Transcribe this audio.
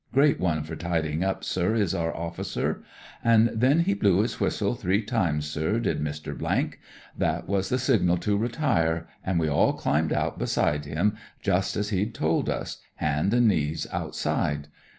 Great one for tid3in' up, sir, is our officer. An' then he blew his whistle three times, sir, did Mr. . That was the signal to retire, an' we all climbed out beside him, just as he'd told us : hand an' knees outside.